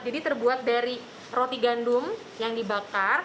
jadi terbuat dari roti gandum yang dibakar